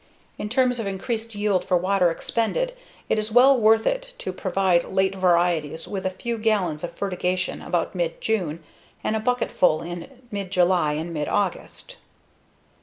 In terms of increased yield for water expended, it is well worth it to provide late varieties with a few gallons of fertigation about mid June, and a bucketful in mid July and mid August.